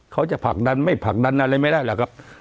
เขาจะผลักดันไม่ผลักดันอะไรไม่ได้หรอกครับ